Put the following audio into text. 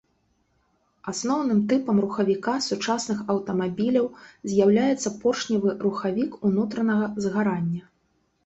Асноўным тыпам рухавіка сучасных аўтамабіляў з'яўляецца поршневы рухавік унутранага згарання.